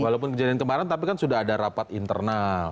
walaupun kejadian kemarin tapi kan sudah ada rapat internal